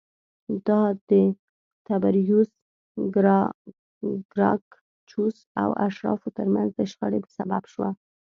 دا د تبریوس ګراکچوس او اشرافو ترمنځ د شخړې سبب شوه